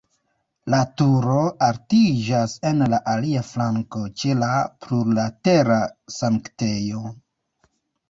La turo altiĝas en la alia flanko ĉe la plurlatera sanktejo.